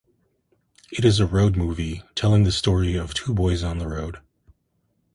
It is a road movie, telling the story of two boys on the road.